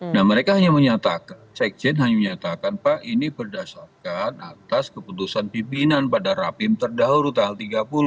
nah mereka hanya menyatakan sekjen hanya menyatakan pak ini berdasarkan atas keputusan pimpinan pada rapim terdahulu tanggal tiga puluh